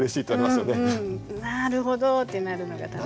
「なるほど！」ってなるのが楽しい。